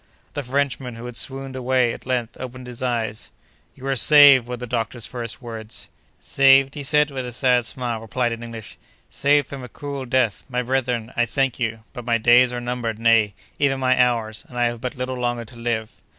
The Frenchman, who had swooned away, at length opened his eyes. "You are saved!" were the doctor's first words. "Saved!" he with a sad smile replied in English, "saved from a cruel death! My brethren, I thank you, but my days are numbered, nay, even my hours, and I have but little longer to live."